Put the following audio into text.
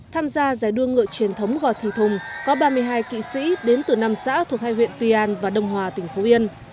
tham gia giải đua ngựa truyền thống gò thị thùng có ba mươi hai kỵ sĩ đến từ năm xã thuộc hai huyện tuy an và đông hòa tỉnh phú yên